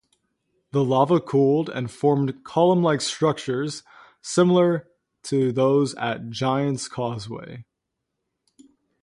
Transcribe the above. The lava cooled and formed column-like structures, similar to those at Giant's Causeway.